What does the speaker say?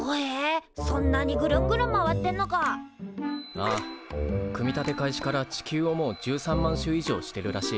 ああ組み立て開始から地球をもう１３万周以上してるらしい。